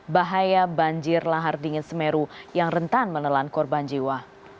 bahaya banjir lahar dingin semeru yang rentan menelan korban jiwa